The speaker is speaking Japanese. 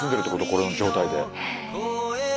この状態で。